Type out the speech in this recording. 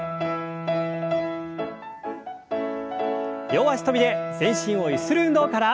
両脚跳びで全身をゆする運動から。